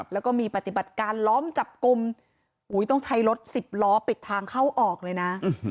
แล้วก็มีปฏิบัติการล้อมจับกลุ่มต้องใช้รถสิบล้อปิดทางเข้าออกเลยนะ